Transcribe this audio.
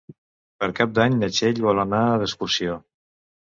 Per Cap d'Any na Txell vol anar d'excursió.